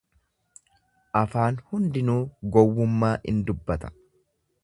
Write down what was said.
Afaan hundinuu gowwummaa in dubbata.